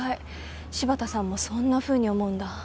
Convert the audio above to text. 柴田さんもそんなふうに思うんだ。